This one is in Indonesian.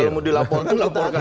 kalau mau dilaporkan